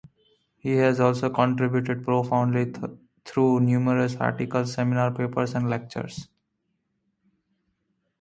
He has also contributed profoundly through numerous articles, seminar papers and lectures.